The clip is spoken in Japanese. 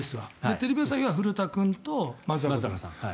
テレビ朝日は古田君と松坂さん。